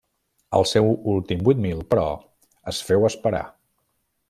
El seu últim vuit mil, però, es féu esperar.